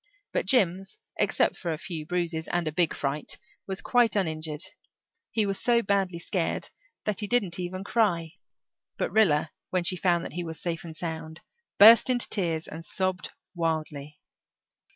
But Jims, except for a few bruises, and a big fright, was quite uninjured. He was so badly scared that he didn't even cry, but Rilla, when she found that he was safe and sound, burst into tears and sobbed wildly.